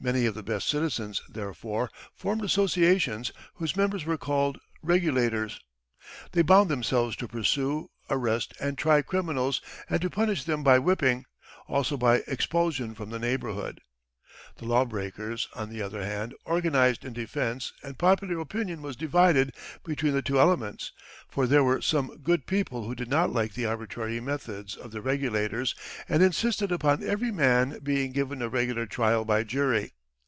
Many of the best citizens, therefore, formed associations whose members were called "regulators." They bound themselves to pursue, arrest, and try criminals, and to punish them by whipping, also by expulsion from the neighborhood. The law breakers, on the other hand, organized in defense, and popular opinion was divided between the two elements; for there were some good people who did not like the arbitrary methods of the regulators, and insisted upon every man being given a regular trial by jury.